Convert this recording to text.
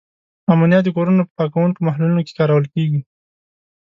امونیا د کورونو په پاکوونکو محلولونو کې کارول کیږي.